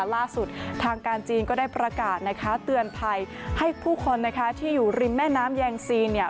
ล่าสุดทางการจีนก็ได้ประกาศเตือนภัยให้ผู้คนที่อยู่ริมแม่น้ำแยงซี